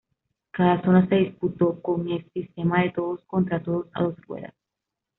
Cada zona se disputó con es sistema de todos contra todos a dos ruedas.